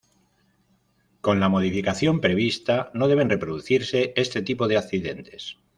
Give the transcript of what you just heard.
Con la modificación prevista no deben reproducirse este tipo de accidentes.